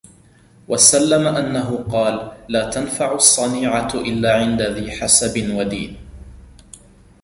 وَسَلَّمَ أَنَّهُ قَالَ لَا تَنْفَعُ الصَّنِيعَةُ إلَّا عِنْدَ ذِي حَسَبٍ وَدِينٍ